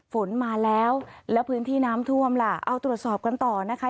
ฝนมาแล้วแล้วพื้นที่น้ำท่วมล่ะเอาตรวจสอบกันต่อนะคะ